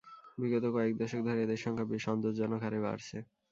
বিগত কয়েক দশক ধরে এদের সংখ্যা বেশ সন্তোষজনক হারে বাড়ছে।